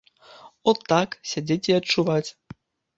От так, сядзець і адчуваць.